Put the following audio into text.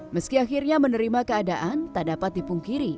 meski akhirnya menerima keadaan tak dapat dipungkiri